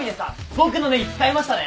僕のネギ使いましたね！